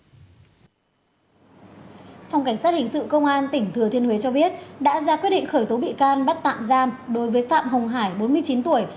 phòng cảnh sát hình sự công an tỉnh thừa thiên huế cho biết đã ra quyết định khởi tố bị can bắt tạm giam đối với phạm hồng hải bốn mươi chín tuổi